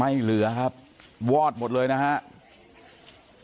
เหลือครับวอดหมดเลยนะครับ